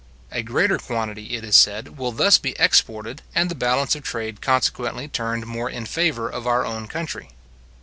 A greater quantity, it is said, will thus be exported, and the balance of trade consequently turned more in favour of our own country.